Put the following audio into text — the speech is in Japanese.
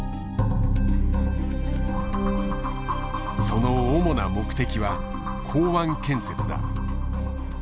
その主な目的は港湾建設だ。